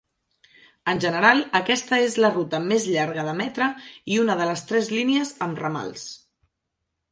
En general, aquesta és la ruta més llarga de Metra i una de les tres línies amb ramals.